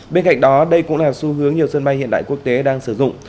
bên cạnh đó đây cũng là xu hướng nhiều sân bay hiện đại quốc tế đang sử dụng